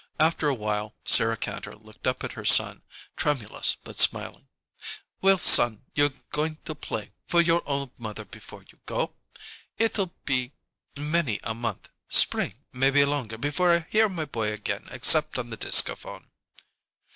After a while Sarah Kantor looked up at her son, tremulous, but smiling. "Well, son, you going to play for your old mother before you go? It'll be many a month spring maybe longer, before I hear my boy again except on the discaphone."